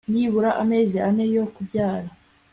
nibura amezi ane mbere yo kubyara